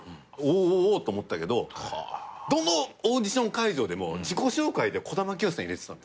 おおおと思ったけどどのオーディション会場でも自己紹介で児玉清さん入れてた。